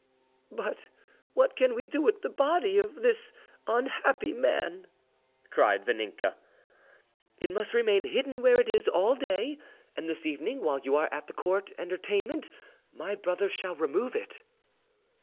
"But what can we do with the body of this unhappy man?" cried Vaninka. "It must remain hidden where it is all day, and this evening, while you are at the Court entertainment, my brother shall remove it."